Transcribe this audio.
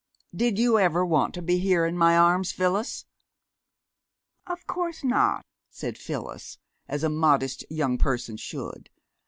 "Did you ever want to be here in my arms, Phyllis?" "Of course not!" said Phyllis, as a modest young person should.